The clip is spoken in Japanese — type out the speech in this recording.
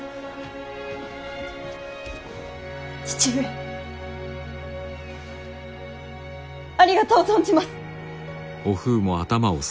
義父上ありがとう存じます！